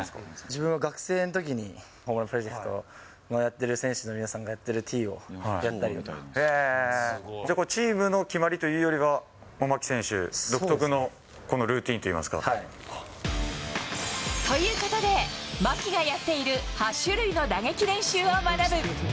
自分が学生のときに、ホームランプロジェクトをやってる、選手の皆さんがやってるティチームの決まりというよりは、牧選手独特の、このルーティンといいますか。ということで、牧がやっている８種類の打撃練習を学ぶ。